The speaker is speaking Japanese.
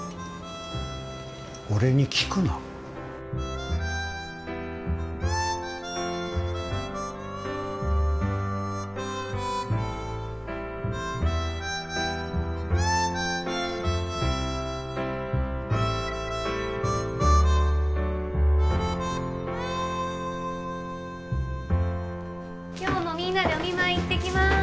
俺に聞くな今日もみんなでお見舞い行ってきます